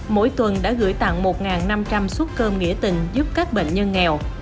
mỗi tuần đã gửi tặng một năm trăm linh suất cơm nghĩa tình giúp các bệnh nhân nghèo